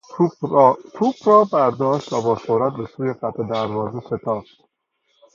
توپ را برداشت و با سرعت به سوی خط دروازه شتافت.